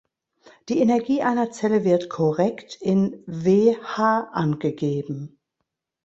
Die Energie einer Zelle wird korrekt in Wh angegeben.